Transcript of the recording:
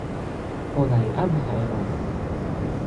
ona li anpa e ona.